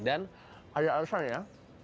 dan ada alasannya